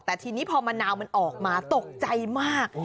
แต่ทีนี้พอมะนาวมันออกมาตกใจมาก